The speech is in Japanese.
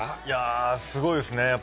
いやすごいですね。